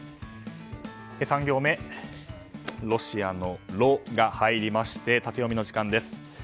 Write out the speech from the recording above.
３行目、ロシアの「ロ」が入りましてタテヨミの時間です。